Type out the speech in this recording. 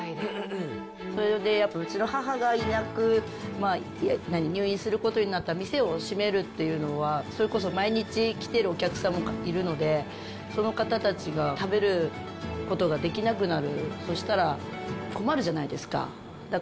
それでやっぱうちの母がいなく、入院することになった、店を閉めるっていうのは、それこそ毎日来てるお客さんがいるので、その方たちが、食べることができなくなる、そしたら困るじゃないですか。